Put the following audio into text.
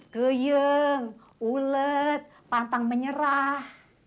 keyeng ulet pantang menyerah